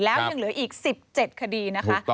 แล้วยังเหลืออีก๑๗คดีนะคะ